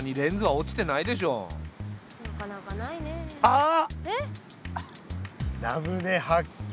あっ！